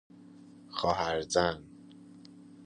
خواهرزن